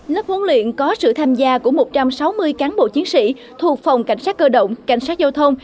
lớp huấn luyện có sự tham gia của một trăm sáu mươi cán bộ chiến sĩ thuộc phòng cảnh sát cơ động cảnh sát giao thông